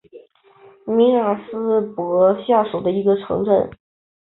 米尔斯伯勒下属的一座城镇。